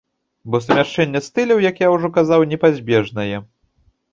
Бо сумяшчэнне стыляў, як я ўжо казаў, непазбежнае.